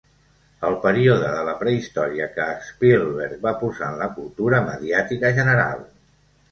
El període de la prehistòria que Spielberg va posar en la cultura mediàtica general.